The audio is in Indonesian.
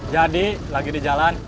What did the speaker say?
jadi lagi di jalan